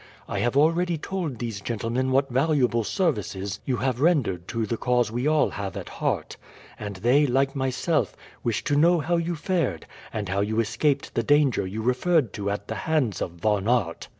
I have already told these gentlemen what valuable services you have rendered to the cause we all have at heart, and they, like myself, wish to know how you fared, and how you escaped the danger you referred to at the hands of Von Aert."